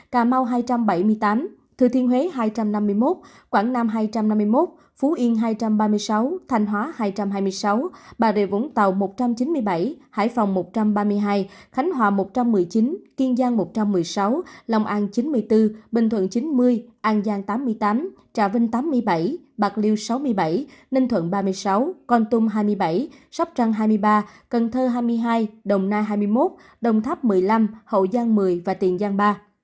đà mau hai trăm bảy mươi tám thừa thiên huế hai trăm năm mươi một quảng nam hai trăm năm mươi một phú yên hai trăm ba mươi sáu thành hóa hai trăm hai mươi sáu bà rịa vũng tàu một trăm chín mươi bảy hải phòng một trăm ba mươi hai khánh hòa một trăm một mươi chín kiên giang một trăm một mươi sáu lòng an chín mươi bốn bình thuận chín mươi an giang tám mươi tám trà vinh tám mươi bảy bạc liêu sáu mươi bảy ninh thuận ba mươi sáu con tum hai mươi bảy sóc trăng hai mươi ba cần thơ hai mươi hai đồng nai hai mươi một đồng tháp một mươi năm hậu giang một mươi và tiền giang ba